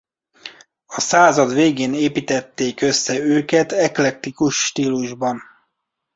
A század végén építették össze őket eklektikus stílusban.